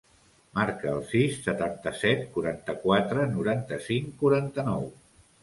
Marca el sis, setanta-set, quaranta-quatre, noranta-cinc, quaranta-nou.